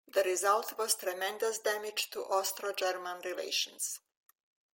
The result was tremendous damage to Austro-German relations.